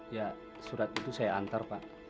ya surat itu saya antar pak